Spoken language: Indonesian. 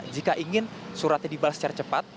jika ingin suratnya dibahas secara cepat